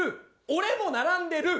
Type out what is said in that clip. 俺も並んでる。